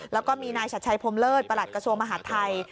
แล้วก็มีนายชัดชัยพรมเลิศประหลัดกระทรวงมหาดไทย